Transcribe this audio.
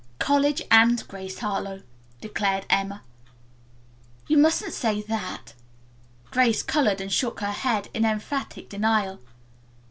"College and Grace Harlowe," declared Emma. "You mustn't say that," Grace colored and shook her head in emphatic denial.